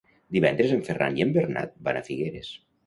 Divendres en Ferran i en Bernat van a Figueres.